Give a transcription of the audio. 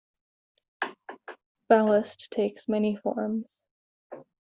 Ballast takes many forms.